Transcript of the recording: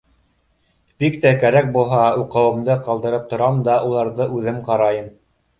Бик тә кәрәк булһа, уҡыуымды ҡалдырып торам да, уларҙы үҙем ҡарайым.